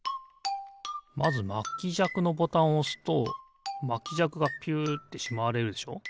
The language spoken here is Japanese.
まずまきじゃくのボタンをおすとまきじゃくがピュッてしまわれるでしょ。